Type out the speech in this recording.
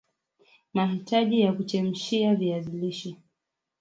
Mahitaji ya kuchemshia viazi lishe